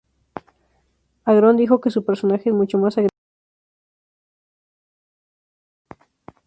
Agron dijo que su personaje es "mucho más agresiva" que sus papeles anteriores.